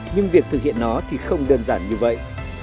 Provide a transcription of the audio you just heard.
nhưng việc thực hiện nó thì không đơn giản như vậy